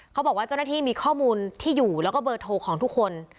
เขาบอกว่าเจ้าหน้าที่มีข้อมูลที่อยู่แล้วก็เบอร์โทรของทุกคน